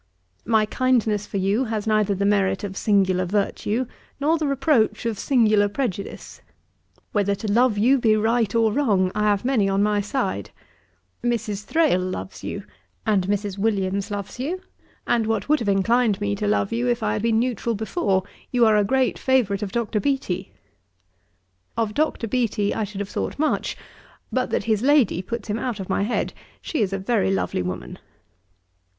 My kindness for you has neither the merit of singular virtue, nor the reproach of singular prejudice. Whether to love you be right or wrong, I have many on my side: Mrs. Thrale loves you, and Mrs. Williams loves you, and what would have inclined me to love you, if I had been neutral before, you are a great favourite of Dr. Beattie. 'Of Dr. Beattie I should have thought much, but that his lady puts him out of my head; she is a very lovely woman.